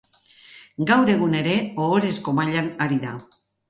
Gaur egun ere Ohorezko mailan ari da.